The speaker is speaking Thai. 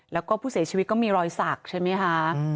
แล้วก็ผู้เสียชีวิตก็มีรอยสักใช่ไหมคะ